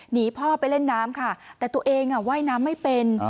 หนีพ่อไปเล่นน้ำค่ะแต่ตัวเองว่ายน้ำไม่เป็น